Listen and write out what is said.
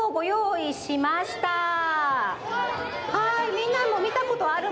みんなもみたことあるもの